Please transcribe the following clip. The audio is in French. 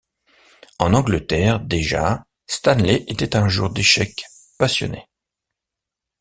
En Angleterre déjà Stanley était un jour d'échecs passionné.